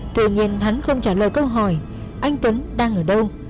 tuy nhiên hắn không trả lời câu hỏi anh tuấn đang ở đâu